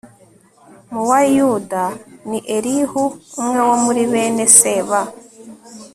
Mu wa Yuda ni Elihu umwe wo muri bene se ba